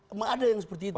emang ada yang seperti itu